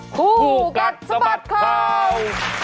คู่กัดสมัติภาพ